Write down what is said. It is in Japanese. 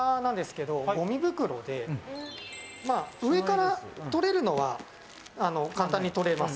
上から取れるのは簡単に取れます。